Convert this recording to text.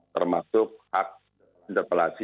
termasuk hak interpelasi